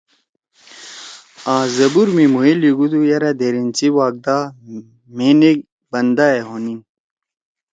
)آں زبور می مھوئی لیِگُودُو یرأ دھیریِن سی واگدا مھی نیک بندہ ئے ہونیِن(